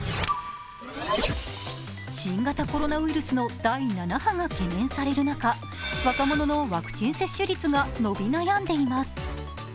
新型コロナウイルスの第７波が懸念される中、若者のワクチン接種率が伸び悩んでいます。